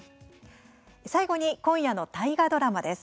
最後に今夜の大河ドラマです。